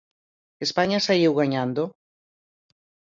¿España saíu gañando?